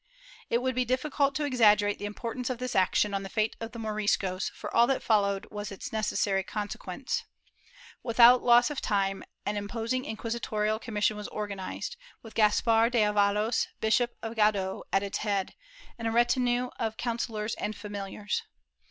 ^ It would be difficult to exaggerate the importance of this action on the fate of the Moriscos, for all that followed was its necessary consequence. Without loss of time an imposing inquisitorial commission was organized, with Gaspar de Avalos, Bishop of Guadix, at its head, and a retinue of counsellors and familiars.